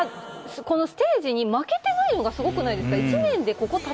このステージに負けていないのがすごくないですか？